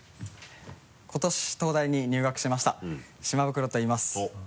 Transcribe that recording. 今年東大に入学しました島袋と言います。